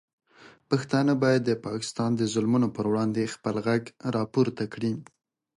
پښتانه باید د پاکستان د ظلمونو پر وړاندې خپل غږ راپورته کړي.